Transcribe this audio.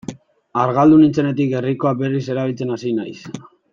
Argaldu nintzenetik gerrikoa berriz erabiltzen hasi naiz.